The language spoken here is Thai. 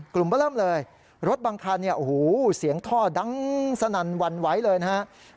กลุ่มก็เริ่มเลยรถบางคันเนี่ยโอ้โหเสียงท่อดังสนั่นวันไหวเลยนะครับ